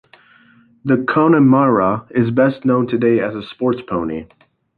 The Connemara is best known today as a sports pony.